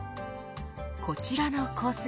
こちらのコース